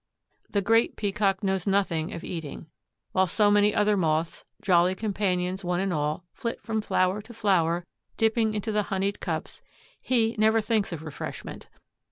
The Great Peacock knows nothing of eating. While so many other Moths, jolly companions one and all, flit from flower to flower, dipping into the honeyed cups, he never thinks of refreshment.